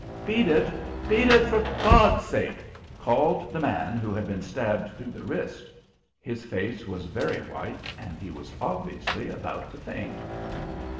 "Beat it! Beat it for God's sake!" called the man who had been stabbed through the wrist. His face was very white, and he was obviously about to faint.